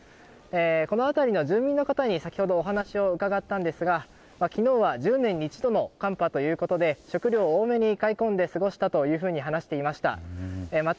この辺りの住民の方に先ほどお話を伺ったんですが昨日は１０年に一度の寒波ということで食料を多めに買い込んで過ごしたというふうに話していました。